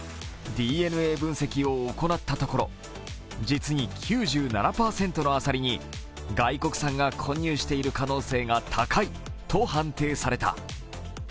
ＤＮＡ分析を行ったところ実に９７％のあさりに外国産が混入している可能性が高いと判定された。